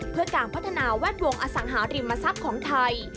เพื่อการพัฒนาแวดวงอสังหาริมทรัพย์ของไทย